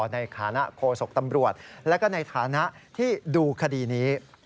ในฐานะโคศกตำรวจและก็ในฐานะที่ดูคดีนี้